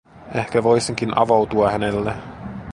Ehkä voisinkin avautua hänelle.